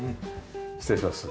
失礼します。